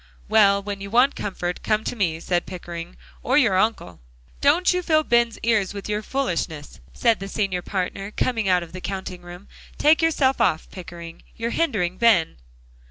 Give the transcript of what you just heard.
"Well, when you want comfort, come to me," said Pickering, "or your uncle!" "Don't you fill Ben's ears with your foolishness," said the Senior Partner, coming out of the counting room. "Take yourself off, Pickering; you're hindering Ben."